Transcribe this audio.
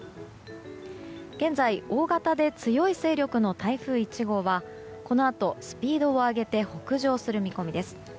現在大型で強い勢力の台風１号はこのあとスピードを上げて北上する見込みです。